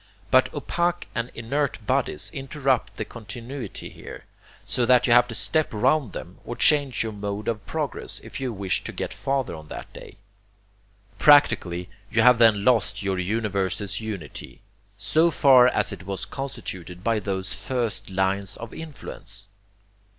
But opaque and inert bodies interrupt the continuity here, so that you have to step round them, or change your mode of progress if you wish to get farther on that day. Practically, you have then lost your universe's unity, SO FAR AS IT WAS CONSTITUTED BY THOSE FIRST LINES OF INFLUENCE.